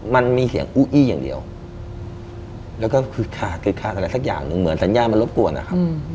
มันมีเสียงอู้อี้อย่างเดียวแล้วก็คึกคักคึกคักอะไรสักอย่างหนึ่งเหมือนสัญญามันรบกวนนะครับ